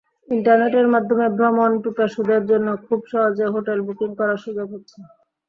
ইন্টারনেটের মাধ্যমে ভ্রমণপিপাসুদের জন্য খুব সহজে হোটেল বুকিং করার সুযোগ হচ্ছে।